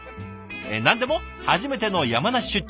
何でも初めての山梨出張。